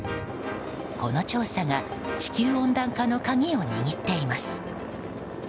この調査が地球温暖化の鍵を握っています。